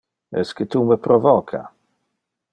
Esque tu me provoca?